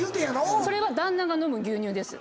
それは旦那が飲む牛乳です。